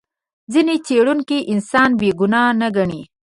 ځینې څېړونکي انسان بې ګناه نه ګڼي.